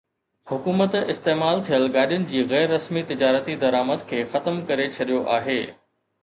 حڪومت استعمال ٿيل گاڏين جي غير رسمي تجارتي درآمد کي ختم ڪري ڇڏيو آهي